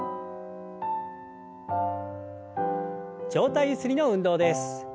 上体ゆすりの運動です。